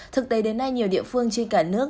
thực tế đến nay nhiều địa phương trên cả nước